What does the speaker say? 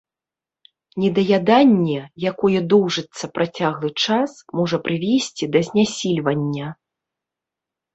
Недаяданне, якое доўжыцца працяглы час, можа прывесці да знясільвання.